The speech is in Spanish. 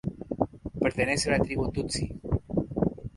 Pertenece a la tribu Tutsi.